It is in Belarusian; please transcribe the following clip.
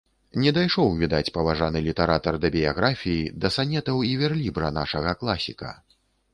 Не дайшоў, відаць, паважаны літаратар да біяграфіі, да санетаў і верлібра нашага класіка.